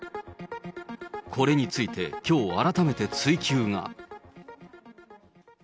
これについてきょう、改めて追及が。